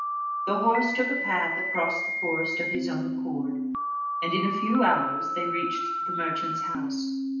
The horse took a path across the forest of his own accord, and in a few hours they reached the merchant's house.